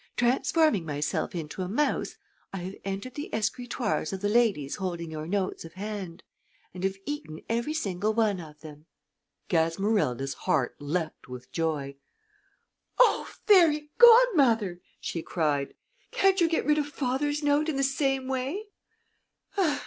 Transforming myself into a mouse, I have entered the escritoires of the ladies holding your notes of hand, and have eaten every single one of them." Gasmerilda's heart leaped with joy. "Oh, Fairy Godmother!" she cried. "Can't you get rid of father's note in the same way?"